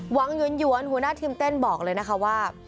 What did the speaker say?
หยวนหัวหน้าทีมเต้นบอกเลยนะคะว่า